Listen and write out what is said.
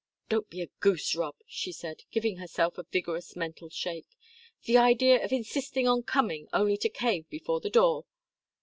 "Don't be a goose, Rob," she said, giving herself a vigorous mental shake. "The idea of insisting on coming, only to cave before the door!"